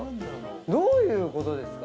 どういうことですか？